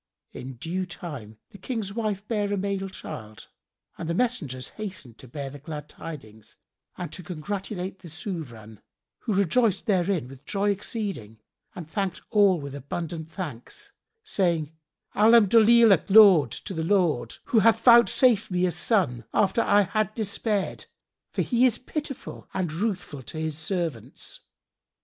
In due time the King's wife bare a male child, and the messengers hastened to bear the glad tidings and to congratulate the Sovran, who rejoiced therein with joy exceeding and thanked all with abundant thanks, saying, "Alhamdolillah—laud to the Lord—who hath vouchsafed me a son, after I had despaired, for He is pitiful and ruthful to His servants."